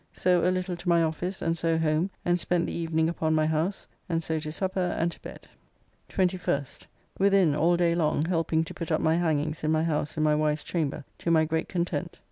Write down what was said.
So a little to my office and so home, and spent the evening upon my house, and so to supper and to bed. 21St. Within all day long, helping to put up my hangings in my house in my wife's chamber, to my great content.